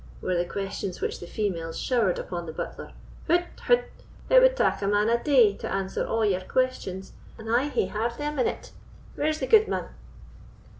were the questions which the females showered upon the butler. "Hout tout! it wad tak a man a day to answer a' your questions, and I hae hardly a minute. Where's the gudeman?"